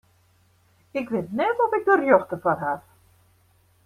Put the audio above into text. Ik wit net oft ik de rjochte foar haw.